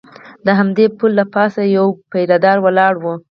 د همدې پله له پاسه هم یو پیره دار ولاړ و.